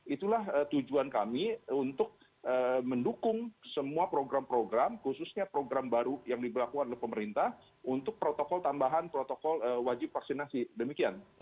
itulah tujuan kami untuk mendukung semua program program khususnya program baru yang diberlakukan oleh pemerintah untuk protokol tambahan protokol wajib vaksinasi demikian